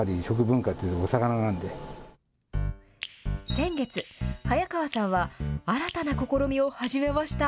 先月、早川さんは新たな試みを始めました。